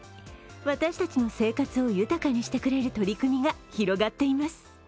私たちの生活を豊かにしてくれる取り組みが広がっています。